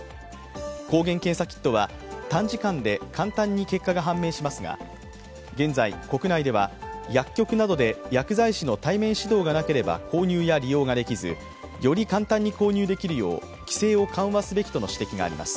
抗原検査キットは短時間で簡単に結果が判明しますが、現在、国内では薬局などで薬剤師の対面指導がなければ購入や利用ができずより簡単に購入できるよう規制を緩和すべきとの指摘があります。